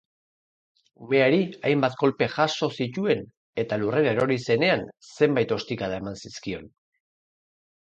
Umeari hainbat kolpe jaso zituen eta lurrera erori zenean zenbait ostikada eman zizkion.